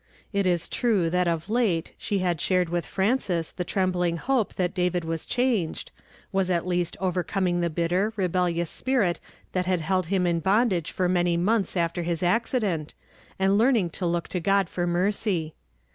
It is true that oi' late she had shared with Frances the trembling li()l)e that David was changed, was at least over coming the bitter, rebellious spirit that had held him in bondage for many months after his accident, and learning to look to God for mercy.